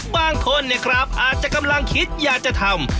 บางคนเนี่ยครับอาจจะกำลังคิดอยากจะทำ